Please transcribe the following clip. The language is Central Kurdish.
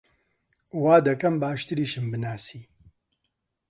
وا دەکەم باشتریشم بناسی!